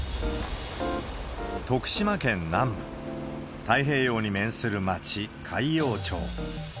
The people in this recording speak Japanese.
徳島県南部、太平洋に面する町、海陽町。